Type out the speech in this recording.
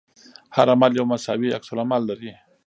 هر عمل یو مساوي عکس العمل لري.